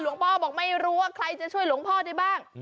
พ่อบอกไม่รู้ว่าใครจะช่วยหลวงพ่อได้บ้าง